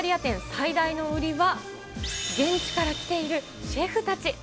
最大の売りは、現地から来ているシェフたち。